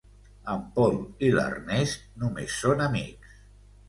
En Pol i l'Ernest només són amics.